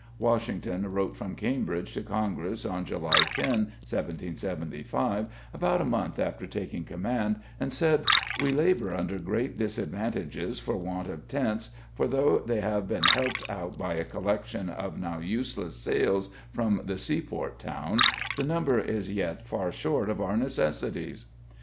Washington wrote from Cambridge to congress on July 10, 1775 about a month after taking command and said, "we labor under great Disadvantages for want of tents for tho' they have been help'd out by a collection of now useless sails from the Sea Port Towns, the number is yet far short of our Necessities".